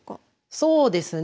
そうですね。